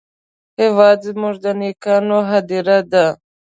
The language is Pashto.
هېواد زموږ د نیاګانو هدیره ده